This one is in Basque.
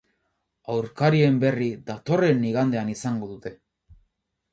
Aurkarien berri datorren igandean izango dute.